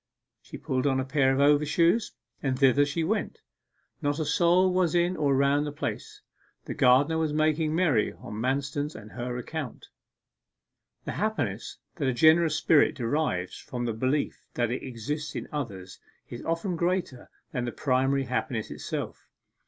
She pulled on a pair of overshoes, and thither she went. Not a soul was in or around the place. The gardener was making merry on Manston's and her account. The happiness that a generous spirit derives from the belief that it exists in others is often greater than the primary happiness itself.